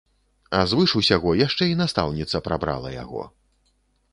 А звыш усяго, яшчэ і настаўніца прабрала яго.